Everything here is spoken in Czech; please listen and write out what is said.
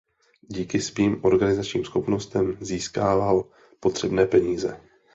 Díky svým organizačním schopnostem získával potřebné peníze.